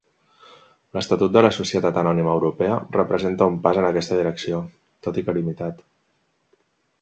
L'Estatut de la Societat Anònima Europea representa un pas en aquesta direcció, tot i que limitat.